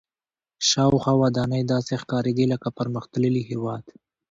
شاوخوا ودانۍ داسې ښکارېدې لکه پرمختللي هېواد.